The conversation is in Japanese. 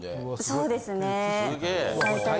そうですね大体。